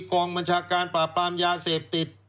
กองบัญชาการปราบปรามยาเสพติด